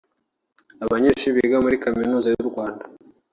Abanyeshuri biga muri Kaminuza y’u Rwanda